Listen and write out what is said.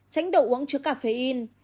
tránh đồ uống chứa caffeine